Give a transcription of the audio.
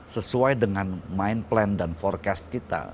sesuai dengan mind plan dan forecast kita